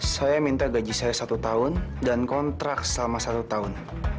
saya minta gaji saya satu tahun dan kontrak selama satu tahun